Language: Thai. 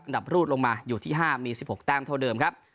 ดับรูดลงมาอยู่ที่๕มี๑๖แต้มเท่าเดิมครับ